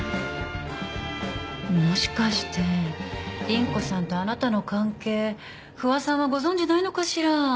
もしかして倫子さんとあなたの関係不破さんはご存じないのかしら？